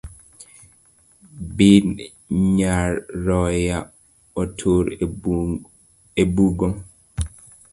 Bin nyaroya otur e bugo.